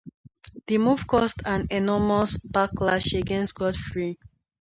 The move caused an enormous backlash against Godfrey.